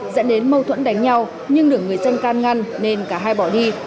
dẫn đến mâu thuẫn đánh nhau nhưng được người dân can ngăn nên cả hai bỏ đi